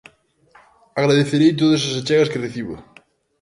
Agradecerei todas as achegas que reciba.